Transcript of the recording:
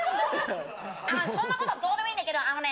ああそんなことどうでもいいんだけどあのね